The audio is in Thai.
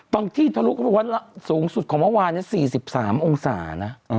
บางที่ถ้ารู้ก็รู้ว่าสูงสุดของเมื่อวานนี้๔๓องศานะ